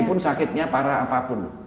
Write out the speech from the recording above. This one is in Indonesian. meskipun sakitnya parah apapun